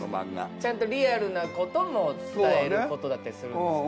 ちゃんとリアルなことも伝えることだったりするんですかね？